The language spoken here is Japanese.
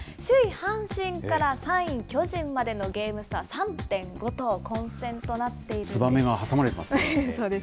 阪神から３位巨人までのゲーム差、３．５と、混戦となっているんです。